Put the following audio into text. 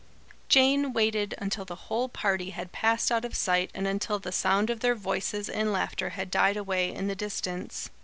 Jane waited until the whole party had passed out of sight and until the sound of their voices and laughter had died away in the distance.